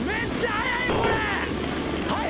速い。